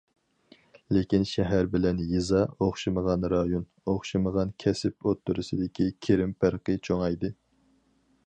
لېكىن شەھەر بىلەن يېزا، ئوخشىمىغان رايون، ئوخشىمىغان كەسىپ ئوتتۇرىسىدىكى كىرىم پەرقى چوڭايدى.